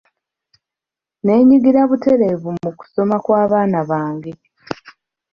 Neenyigira butereevu mu kusoma kw'abaana bange.